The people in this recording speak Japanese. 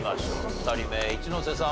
２人目一ノ瀬さん